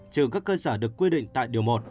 trừ các cơ sở được quy định tại điều một